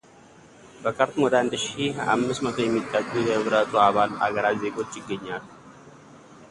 በካርቱም ወደ አንድ ሺህ አምስት መቶ የሚጠጉ የህብረቱ አባል አገራት ዜጎች ይገኛሉ።